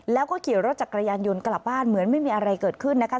แล้วก็ขี่รถจักรยานยนต์กลับบ้านเหมือนไม่มีอะไรเกิดขึ้นนะคะ